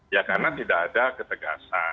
ya karena tidak ada ketegasan